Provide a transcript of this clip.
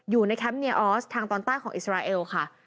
แคมป์เนียออสทางตอนใต้ของอิสราเอลค่ะ